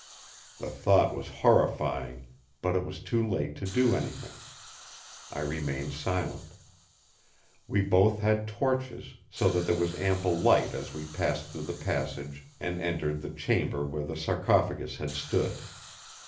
The thought was horrifying; but it was too late to do anything. I remained silent. We both had torches, so that there was ample light as we passed through the passage and entered the Chamber where the sarcophagus had stood.